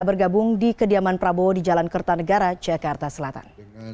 bergabung di kediaman prabowo di jalan kertanegara jakarta selatan